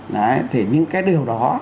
đấy thì những cái điều đó